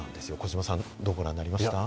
児嶋さん、どうご覧になりましたか？